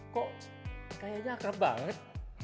kok kayaknya akrab banget